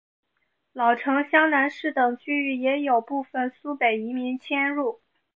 老城厢南市等区域也有部分苏北移民迁入。